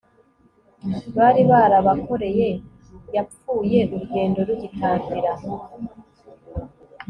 bari barabakoreye yapfuye urugendo rugitangira